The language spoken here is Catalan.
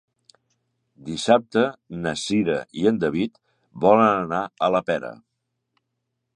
Dissabte na Cira i en David volen anar a la Pera.